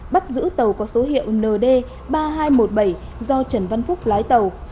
bắt giữ tàu có số hiệu nd ba nghìn hai trăm một mươi bảy do trần văn phúc lái tàu